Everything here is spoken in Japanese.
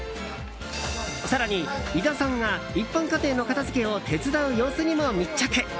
更に、井田さんが一般家庭の片付けを手伝う様子にも密着。